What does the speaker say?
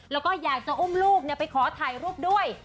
แล้วก็อยากจะอุ้มลูกไปขอถ่ายรูปด้วย